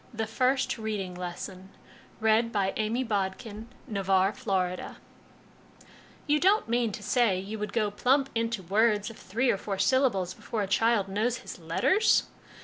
THE FIRST READING LESSON l (Two Mothers Confer) " You don't mean to say you would go plump into words of three or four syllables before a child knows his letters